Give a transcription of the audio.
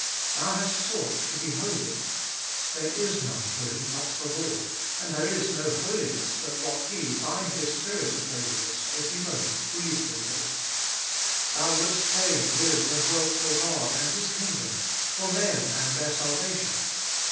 Thou ^last sought to be holy :' There is none holy but the Lord,' and there is no holiness but what He by His Spirit of holiness every moment breathei in thee. Thou wouldst fain live and work for God and His kingdom, for men and their salvation.